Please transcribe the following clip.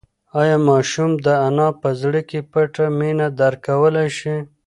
ایا ماشوم د انا په زړه کې پټه مینه درک کولی شي؟